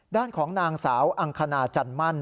ด้านของนางสาวอังคณาจันมั่น